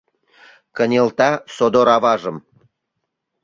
Кынелта содор аважым